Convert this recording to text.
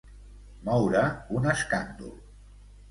Moure un escàndol.